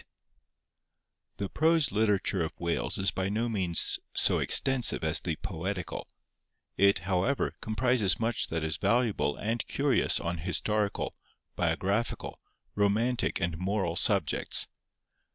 The prose literature of Wales is by no means so extensive as the poetical; it, however, comprises much that is valuable and curious on historical, biographical, romantic and moral subjects.